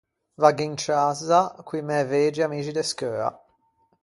Vaggo in ciazza co-i mæ vegi amixi de scheua.